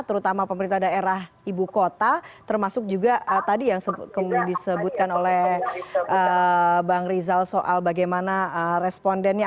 terutama pemerintah daerah ibu kota termasuk juga tadi yang disebutkan oleh bang rizal soal bagaimana respondennya